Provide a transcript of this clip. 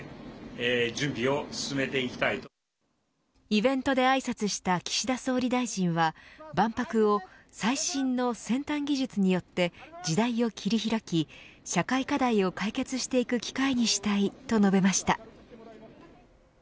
イベントであいさつした岸田総理大臣は万博を最新の先端技術によって時代を切り開き社会課題を解決していく機会にしたいと述べました。